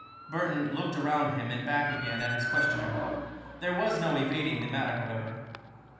Burton looked around him and back again at his questioner. There was no evading the matter, however.